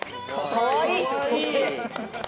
かわいい。